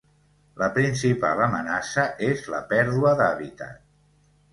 La principal amenaça és la pèrdua d'hàbitat.